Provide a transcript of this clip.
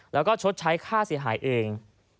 แล้วก็ชดใช้ค่าเสียหายเอง